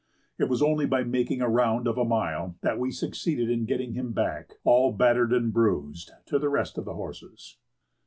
It was only by making a round of a mile that we succeeded in getting him back, all battered and bruised, to the rest of the horses."